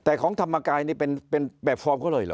แต่ของธรรมกายนี่เป็นแบบฟอร์มเขาเลยเหรอ